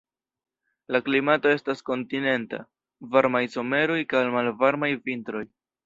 La klimato estas kontinenta: varmaj someroj kaj malvarmaj vintroj.